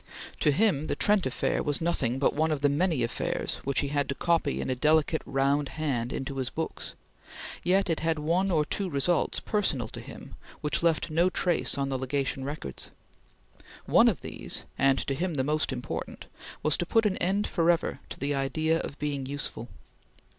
To him the Trent Affair was nothing but one of many affairs which he had to copy in a delicate round hand into his books, yet it had one or two results personal to him which left no trace on the Legation records. One of these, and to him the most important, was to put an end forever to the idea of being "useful."